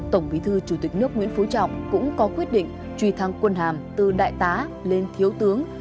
tổng bí thư chủ tịch nước nguyễn phú trọng cũng có quyết định truy thăng quân hàm từ đại tá lên thiếu tướng